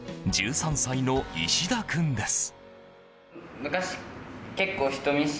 １３歳の石田君です。